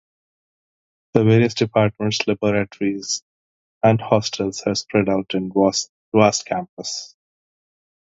The various departments, laboratories, and hostels are spread out in a vast campus.